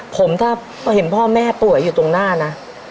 ผมถ้าเห็นพ่อแม่ป่วยอยู่ตรงหน้านะ